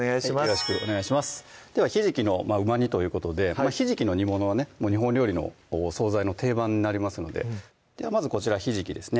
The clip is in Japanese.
よろしくお願いしますでは「ひじきのうま煮」ということでひじきの煮物はね日本料理のお総菜の定番になりますのでではまずこちらひじきですね